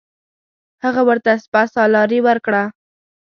هغه ورته سپه سالاري ورکړه.